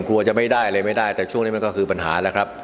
กลัวจะไม่ได้อะไรไม่ได้แต่ช่วงนี้มันก็คือปัญหาแล้วครับ